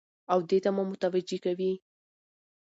او دې ته مو متوجه کوي